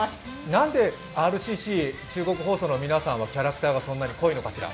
なんでＲＣＣ中国放送の皆さんはキャラクターがそんなに濃いのかしら。